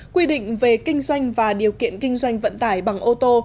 quy định về kinh doanh và điều kiện kinh doanh vận tải bằng ô tô